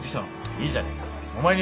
いいじゃねえかお前にやるよ。